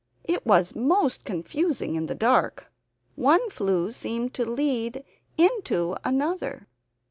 It was most confusing in the dark. One flue seemed to lead into another.